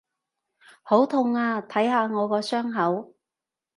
好痛啊！睇下我個傷口！